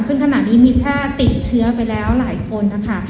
ซึ่งขณะนี้มีแพทย์ติดเชื้อไปแล้วหลายคนนะคะ